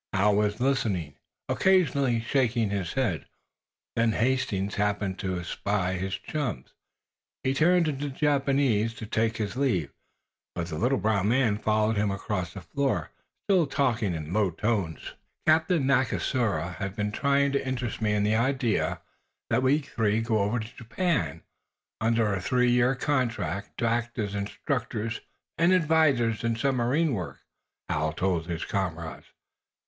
Hal was listening, occasionally shaking his head. Then Hastings happened to espy his chums. He turned to the Japanese, to take his leave, but the little brown man followed him across the floor, still talking in low tones. "Captain Nakasura has been trying to interest me in the idea that we three go over to Japan, under a three years' contract, to act as instructors and advisers in submarine work," Hal told his comrades.